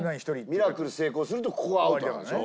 ミラクル成功するとここがアウトなんでしょ？